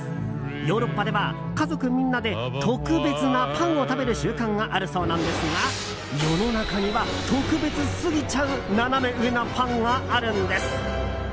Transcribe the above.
ヨーロッパでは家族みんなで特別なパンを食べる習慣があるそうなんですが世の中には特別すぎちゃうナナメ上なパンがあるんです。